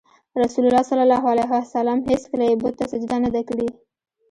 رسول الله ﷺ هېڅکله یې بت ته سجده نه ده کړې.